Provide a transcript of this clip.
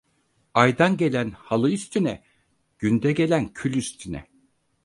Aydan gelen halı üstüne, günde gelen kül üstüne.